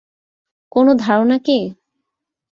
কোনো ধারণা কি।